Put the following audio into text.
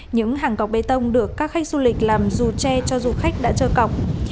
những hàng cọc bê tông được các khách du lịch làm dù che cho du khách đã chơ cọc